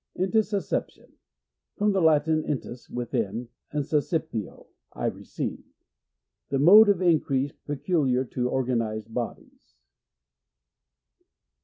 Intussusception. — From the Latin, inlus, within, and snscipio, I re ceive. The mode of increase pecu liar to organised bodies.